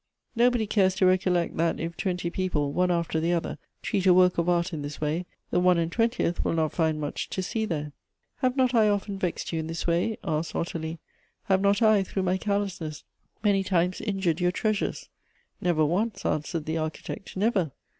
Nobody cares to recollect that if twenty people, one after the other, treat a work of art in this way, the one and twcntieth will not find much to see there." " Have not I often vexed you in this way ?" asked Ottilie. "Have not I, through my carelessness, many times injured your treasures? "" Never once," answered the Architect, " never.